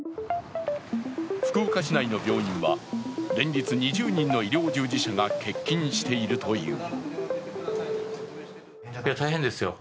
福岡市内の病院は連日２０人の医療従事者が欠勤しているという。